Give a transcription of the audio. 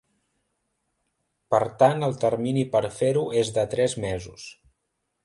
Per tant el termini per fer-ho és de tres mesos.